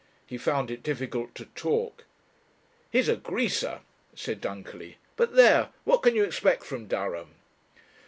He found it difficult to talk. "He's a greaser," said Dunkerley. "But there! what can you expect from Durham?"